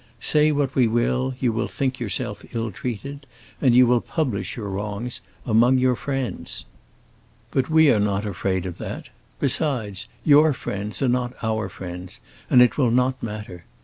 Say what we will, you will think yourself ill treated, and you will publish your wrongs among your friends. But we are not afraid of that. Besides, your friends are not our friends, and it will not matter.